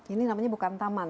ini namanya bukan taman